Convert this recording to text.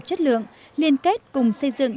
chất lượng liên kết cùng xây dựng